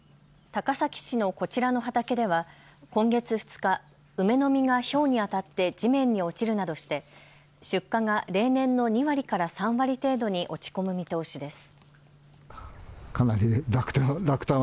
高崎市のこちらの畑では今月２日、梅の実がひょうに当たって地面に落ちるなどして出荷が例年の２割から３割程度に落ち込む見通しです。